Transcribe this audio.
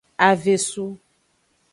Avesu.